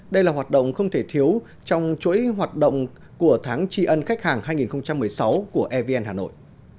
đây là hoạt động không thể thiếu trong chuỗi hoạt động của tháng tri ân khách hàng hai nghìn một mươi sáu của evn hà nội